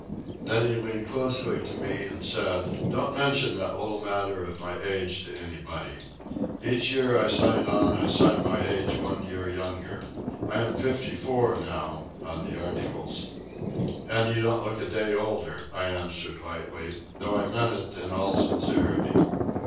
Then he leaned closely to me and said: "Don't mention that little matter of my age to anybody. Each year I sign on I sign my age one year younger. I am fifty four, now, on the articles." "And you don't look a day older," I answered lightly, though I meant it in all sincerity.